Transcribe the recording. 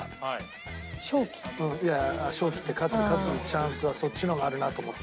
いや勝機って勝つチャンスはそっちの方があるなと思った。